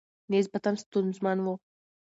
نسبتاً ستونزمن ؤ